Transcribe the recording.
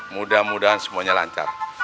mudah mudahan semuanya lancar